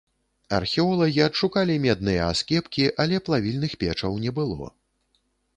Археолагі адшукалі медныя аскепкі, але плавільных печаў не было.